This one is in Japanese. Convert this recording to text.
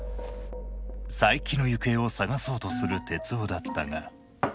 佐伯の行方を捜そうとする徹生だったが。